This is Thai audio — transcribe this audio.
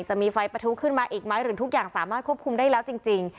จะมีไฟประทุขึ้นมาอีกไหมหรือทุกอย่างสามารถควบคุมได้แล้วจริง